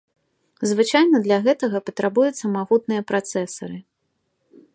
Звычайна для гэтага патрабуюцца магутныя працэсары.